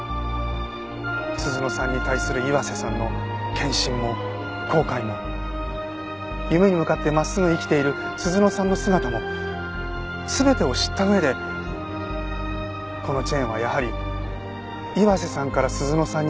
鈴乃さんに対する岩瀬さんの献身も後悔も夢に向かって真っすぐ生きている鈴乃さんの姿も全てを知った上でこのチェーンはやはり岩瀬さんから鈴乃さんに渡すべきだと